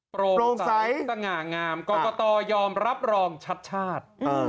โปรงใสตะงะงามกรกตยอมรับรองชัด